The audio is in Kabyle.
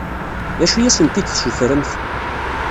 D acu i asent-d-tessutremt?